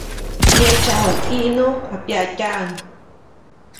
Myeʼtsaʼuŋ ʼIʼnu, japyaʼtyaʼuŋ.